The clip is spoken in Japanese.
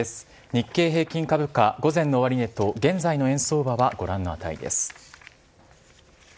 日経平均株価、午前の終値と現在の円相場はご覧の値です。